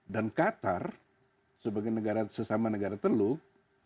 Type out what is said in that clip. dan qatar sebagai sesama negara teluk